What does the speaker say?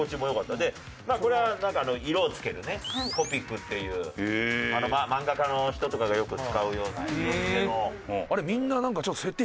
でこれはなんか色をつけるねコピックっていう漫画家の人とかがよく使うような色づけの。